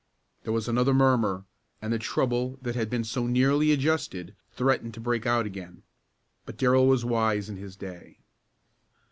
There was another murmur, and the trouble that had been so nearly adjusted threatened to break out again. But Darrell was wise in his day.